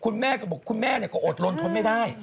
คุณแม่ก็บอกคุณแม่ก็อดลนทนไม่ได้